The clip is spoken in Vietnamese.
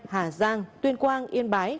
hà giang tuyên quang yên bái